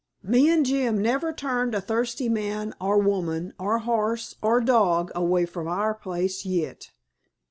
Me an' Jim never turned a thirsty man or woman or horse or dog away from our place yit!